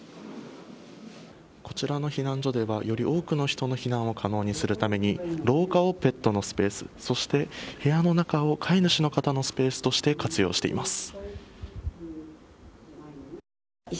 こちらの避難所ではより多くの人の避難を可能にするために廊下をペットのスペースそして部屋の中を飼い主の方のスペースとして活用しています。